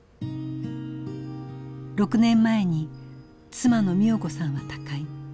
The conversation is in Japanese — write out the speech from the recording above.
６年前に妻の美代子さんは他界。